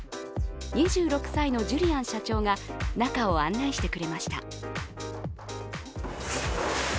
２６歳のジュリアン社長が中を案内してくれました。